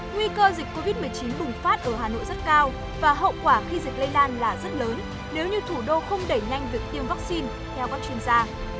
nguy cơ dịch covid một mươi chín bùng phát ở hà nội rất cao và hậu quả khi dịch lây lan là rất lớn nếu như thủ đô không đẩy nhanh việc tiêm vaccine theo các chuyên gia